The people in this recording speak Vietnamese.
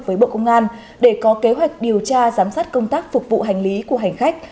với bộ công an để có kế hoạch điều tra giám sát công tác phục vụ hành lý của hành khách